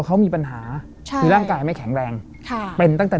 เขามีปัญหาใช่มีร่างกายไม่แข็งแรงค่ะเป็นตั้งแต่